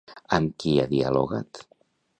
Amb qui ha dialogat?